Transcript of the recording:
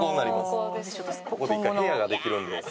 ここに一回部屋ができるんで。